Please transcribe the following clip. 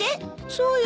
そうよ。